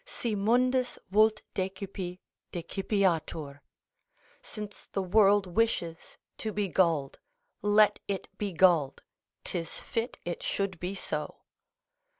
Si mundus vult decipi, decipiatur, since the world wishes to be gulled, let it be gulled, 'tis fit it should be so.